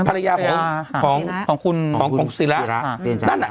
ภารัยะของของของคุณซีละของทุกคุณซีละพ่อใจล่ะนั่นอ่ะ